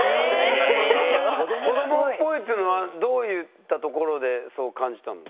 子どもっぽいっていうのはどういったところでそう感じたの？